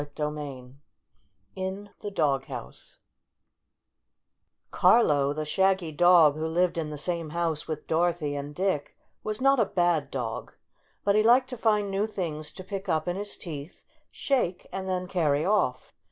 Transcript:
CHAPTER VI IN THE DOG HOUSE Carlo, the shaggy dog, who lived in the same house with Dorothy and Dick, was not a bad dog. But he liked to find new things to pick up in his teeth, shake, and then carry off.